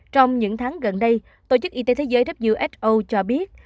trong những tháng gần đây tổ chức y tế thế giới who cho biết